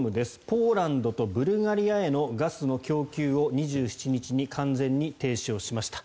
ポーランドとブルガリアへのガスの供給を２７日完全に停止しました。